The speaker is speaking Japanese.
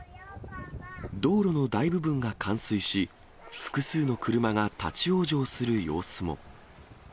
道路の大部分が冠水し、複数の車が立往生する様子も。